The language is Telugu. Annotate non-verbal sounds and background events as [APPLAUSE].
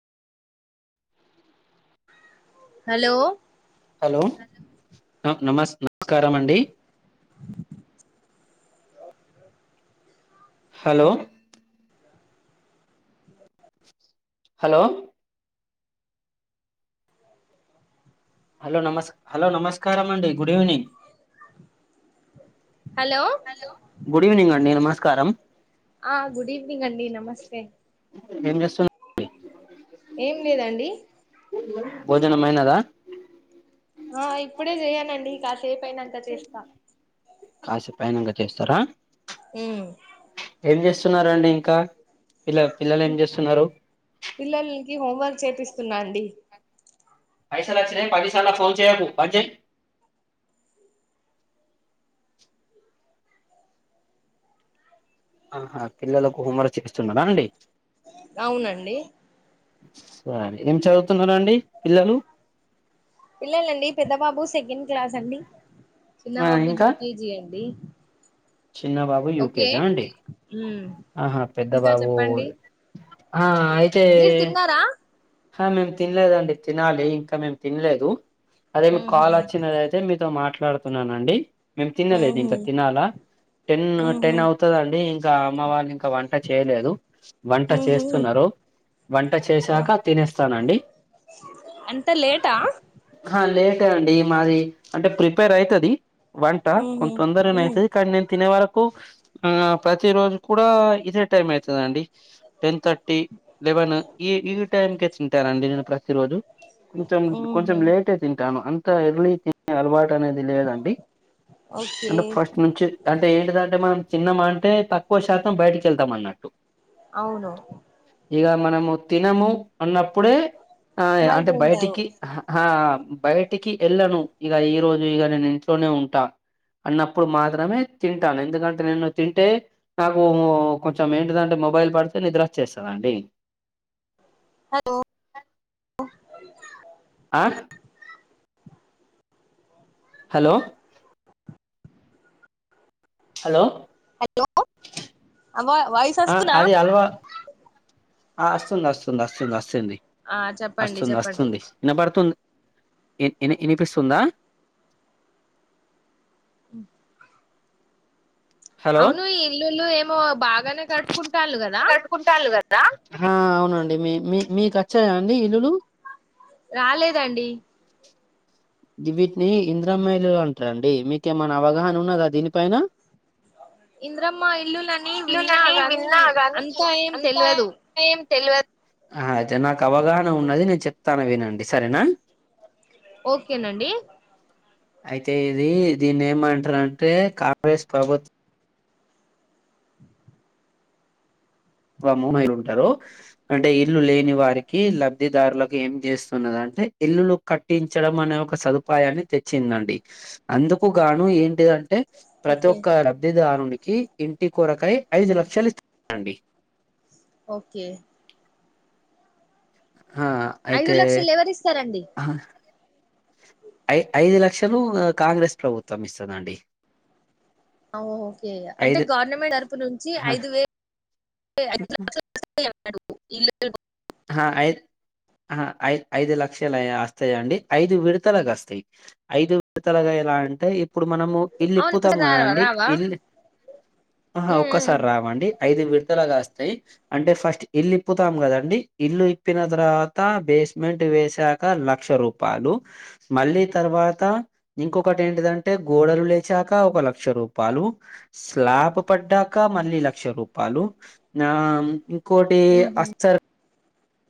హలో హలో నస్ నమస్కార అండి హలో హలో హలోస్ హలో నమస్కారం అండి good evening hello good evening అండి నమస్కారం ఆ గుడ్ ఈవనింగ్ అండి నమస్తే ఏం చేస్తుంది ఏం లేదండి భోజన మైనదా ఆ ఇప్పుడే చేయనండి కాసేపు అయినాక చేస్తా కాసేపైనంగ చేస్తారా ఊ ఏం జేస్తున్నారండి ఇంకా పిల్ల పిల్లలు ఏం చేస్తున్నారు. కి హోంవర్క్ చేపిస్తున్నా అండి పైస క్షర పదిసల ఫోన్ చేయకు అజే ఆహా పిల్లలకు హోంవర్క్ చేయిస్తున్నడా అండి అవునండి సరే ఏం చ పిల్లలండి పెద్ద బాబు సెకెన్ క్లాస్ అండి చిన్న ఆ బాబు ఇంకా యూ కే జి అండి చిన్న బాబు యూ కే ఓకే జ అండి ఉమ్ ఆహా పెద్ద ఇంకా బాబు చెప్పండి ఆ మీరు తిన్నారా హ మేం తిన్లేదండి తినాలి ఇంకా మేం తిన్లేదు అదే మీ ఉహు కాల్ ఒచ్చినదైతే మీతో మాట్లాడుతున్నానండి మేం తినలేదు ఉహు ఇంకా తినాలా టెన్ ఉహు టెన్ అవుతదండి ఇంకా అమ్మ వాళ్ళింక వంట చేయలేదు వంట ఉహు చేస్తున్నరు వంట చేశాక తినేస్తానండి అంత లేటా అహా లే టే అండి మాదీ అంటే ప్రిపేర్ అయితది వంట ఉహు కొన్ తొందరనే ఉ అయితది కానీ నేను తినే వరక్ కు ఆ ప్రతి రోజు కూడా ఇదే టైం అయితదండి టెన్ థర్టీ లెవెన్ ఈ ఈ టైమ్ కే తింటానండి నేను ప్రతిరోజు కొంతం కొంచెం ఉహు లేటే తింటాను అంత ఎర్లీ తి [INAUDIBLE] అల్వాటు అనేది లేదండి ఓకే అంటె ఫస్ట్ నుంచి అంటే ఏంటిదంటే మనం తిన్నమంటే తక్కువ శా తం బయటికి ఎళ్తాం అన్నట్టు అవును ఇగ మనము తినము అన్నప్పుడే ఆ బయట అంటే ఉంటారు బయటికి అహ ఆ బయటికి ఎళ్ళను ఇగ ఈ రోజు ఇగ నేను ఇంట్లోనే ఉంటా అన్నప్పుడు మాత్రమే తింటాను ఎందుకంటే నేను తింటే నాకు కొంచెం ఏంటిదంటె మొబైల్ పడితే నిద్రొచ్చేస్తదండి హ [INAUDIBLE] అ హలో హలో హ [INAUDIBLE] అవ్వ వయిస్ ఆ ఒస్తుతునా అది అలవా ఆ అస్తుంది అస్తుంది అస్తుంది అస్తుంది ఆ చెప్పండి అస్తుంది చెప్పండి అస్తుంది ఇనబడుతుంది ఇ ఇ ఇనిపిస్తుందా [INAUDIBLE] హలో అవును ఈ ఇల్లులు ఏమో బాగానే కట్టుకుంటాళ్ళు కదా హా అవునండి మీ మీ మీకు ఒచ్చాయా అండి ఇల్లులు రాలేదండి గివిట్ని ఇందిరమ్మ ఇళ్లు అంటరండి మీకేమైనా అవగాహన ఉన్నదా దీనిపైన ఇంద్రమ్మ ఇల్లులని విన్నా పిల్లులని గాని విన్నా గానీ అంతా ఏం అంతా తెల్వదు ఏం అహా జ నాకు అవగాహన ఉన్నది నేను చెప్తాను వినండి సరేనా ఓకేనండి అయితే ఇదీ దీన్ని ఏమంటరంటే కాం [INAUDIBLE] స్ ప్రభుత్ [INAUDIBLE] మ్మాయిలు ఉంటారు అంటే ఇల్లు లేని వారికి లబ్ధిదారులకి ఏం జేస్తున్నదన్ టే ఇల్లులు కట్టించడం అనే ఒక సదుపాయాన్ని తెచ్చిందండి అందుకు గాను ఏంటిదంటే ప్రతి ఓకే ఒక్క లబ్ధిదారుని కి ఇంటి కొరకయ్ ఐదు లక్షలు ఇస్ [INAUDIBLE] అండి ఓకే ఐదు లక్షల్ ఎవరిస్తారం అహ్ ఐ ఐదు లక్షలు కాంగ్రెస్ ప్రభుత్వం ఇస్తదండి అ ఓకే అంటే ఐదు గవర్నమెంట్ తరపు నుంచి ఐదు వే అఓ [INAUDIBLE] హా ఐ హా ఐ ఐదు లక్షలయ అస్తాయ్ అండి ఐదు విడతలక్ అస్తాయ్ ఐదు విడతల క ఎలా అంటే ఇప్పుడు మనము అవును ఇల్లిప్పుతాం ఒకసారి క రావా అండి రావా ఇల్ ఆహా ఉమ్, ఒక్కసార్ రావండి ఐదు విడతలగాస్తాయ్ అంటే ఫస్ట్ ఇల్లిప్పుతాం కదండి ఇళ్ళు ఇప్పిన తర్వాత బేస్మెంట్ వేసాక లక్ష రూపాలు మళ్ళ తర్వాత వాత ఇంకొకటి ఏంటిదంటే గోడలు లేచాక ఒక లక్ష రూపాలు స్లాప్ ఉ పడ్డాక మళ్ళీ లక్ష రూపాలు నాం ఇంకోటి ఉమ్, ఉమ్. అస్ అర్